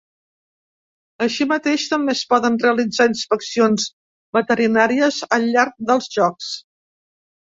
Així mateix també es poden realitzar inspeccions veterinàries al llarg dels Jocs.